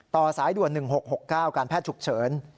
สายด่วน๑๖๖๙การแพทย์ฉุกเฉิน